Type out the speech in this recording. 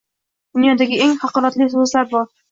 Dunyodagi eng haqoratli soʻzlar bor.